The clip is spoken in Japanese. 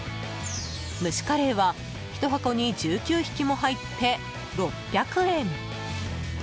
ムシカレイは１箱に１９匹も入って６００円！